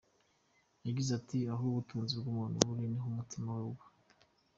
Yagize ati “Aho ubutunzi bw’umuntu buri niho n’umutima we uba.